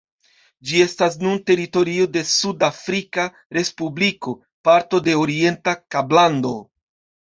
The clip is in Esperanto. Ĝi estas nun teritorio de Sud-Afrika Respubliko, parto de Orienta Kablando.